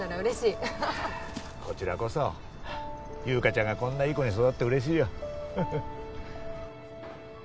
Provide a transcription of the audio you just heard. こちらこそ優香ちゃんがこんないい子に育って嬉しいよ。